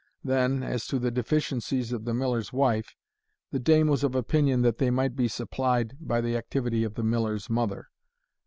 Then, as to the deficiencies of the miller's wife, the dame was of opinion that they might be supplied by the activity of the miller's mother.